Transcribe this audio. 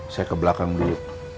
saya ke belakang dulu